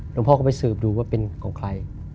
หลวงพ่อก็ไปสืบดูว่าเป็นของใคร